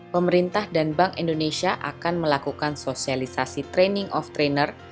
pemerintah dan bank indonesia akan melakukan sosialisasi training of trainer